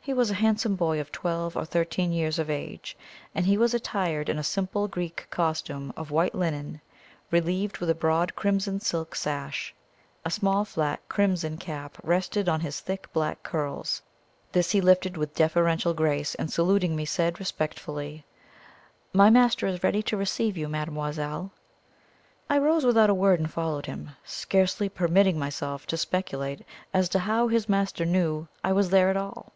He was a handsome boy of twelve or thirteen years of age, and he was attired in a simple Greek costume of white linen, relieved with a broad crimson silk sash. A small flat crimson cap rested on his thick black curls; this he lifted with deferential grace, and, saluting me, said respectfully: "My master is ready to receive you, mademoiselle." I rose without a word and followed him, scarcely permitting myself to speculate as to how his master knew I was there at all.